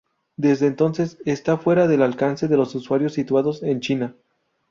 Desde entonces está fuera del alcance de los usuarios situados en China.